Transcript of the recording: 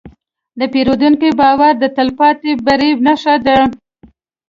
د پیرودونکي باور د تلپاتې بری نښه ده.